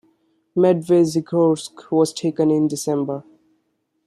Medvezhegorsk was taken in December.